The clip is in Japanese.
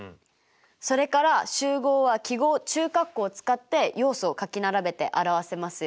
それから集合は記号中括弧を使って要素を書き並べて表せますよ。